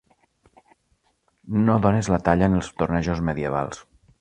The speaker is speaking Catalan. No dónes la talla en els tornejos medievals.